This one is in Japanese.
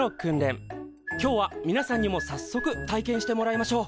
今日はみなさんにもさっそく体験してもらいましょう。